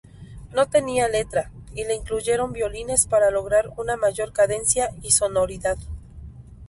No tenía letra, y le incluyeron violines para lograr una mayor cadencia y sonoridad.